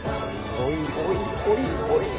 おいおいおいおい。